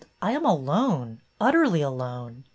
I am alone, utterly alone.